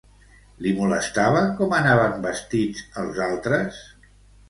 Li molestava com anaven vestits els altres?